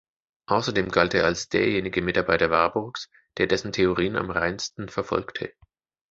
Außerdem galt er als derjenige Mitarbeiter Warburgs, der dessen Theorien am reinsten verfolgte.